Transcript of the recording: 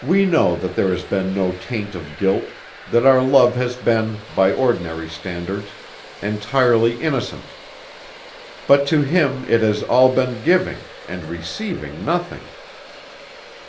"We know that there has been no taint of guilt that our love has been, by ordinary standards, entirely innocent. But to him it has all been giving and receiving nothing.